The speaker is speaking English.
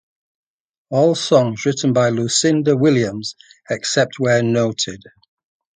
All songs written by Lucinda Williams except where noted.